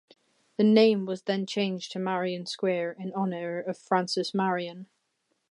The name was then changed to Marion Square, in honor of Francis Marion.